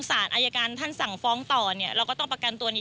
สารอายการท่านสั่งฟ้องต่อเนี่ยเราก็ต้องประกันตัวนี้